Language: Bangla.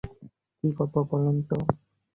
কী করব বলুন তো।